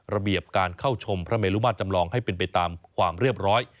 ระเบียบการเข้าชมพระเมลุมาตรจำลองให้เป็นไปตามความเรียบร้อย